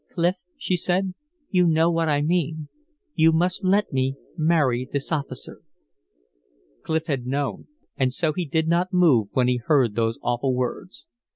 "Clif," she said, "you know what I mean. You must let me marry this officer." Clif had known, and so he did not move when he heard those awful words.